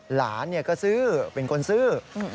หลานก็ซื้อเป็นคนซื้อ